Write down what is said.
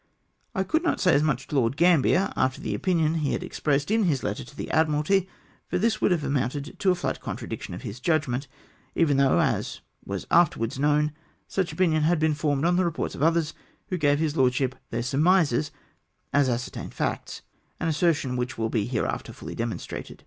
I could not say as much to Lord Gambler, after the opinion he had expressed in his letter to the Admiralty, for this would have amounted to a flat contradiction of his judgment, even though, as w^as afterwards known, such opinion had been formed on the reports of others, who gave his lordship their smTnises as ascertained facts, an assertion which will be hereafter fully demon strated.